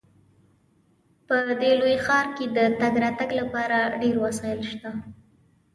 په دې لوی ښار کې د تګ راتګ لپاره ډیر وسایل شته